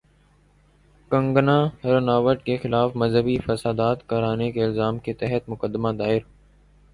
کنگنا رناوٹ کے خلاف مذہبی فسادات کرانے کے الزام کے تحت مقدمہ دائر